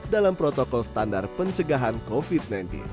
dalam protokol standar pencegahan covid sembilan belas